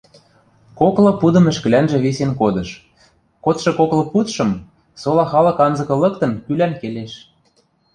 Коклы пудым ӹшкӹлӓнжӹ висен кодыш, кодшы коклы пудшым, сола халык анзыкы лыктын, кӱлӓн келеш